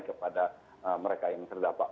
kepada mereka yang terdapat